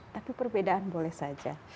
tapi perbedaan boleh saja